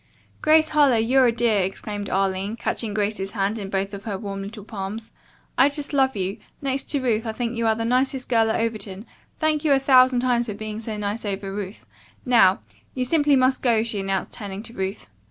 "Grace Harlowe, you're a dear!" exclaimed Arline, catching Grace's hand in both of her warm little palms. "I just love you. Next to Ruth, I think you are the nicest girl at Overton. Thank you a thousand times for being so nice over Ruth. Now, you simply must go," she announced, turning to Ruth.